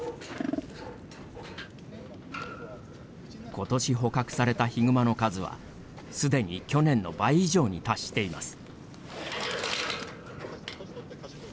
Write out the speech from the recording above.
ことし捕獲されたヒグマの数は、すでに去年の倍以上に達しています。